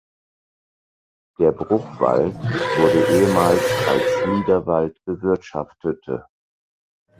Der Bruchwald wurde ehemals als Niederwald bewirtschaftete.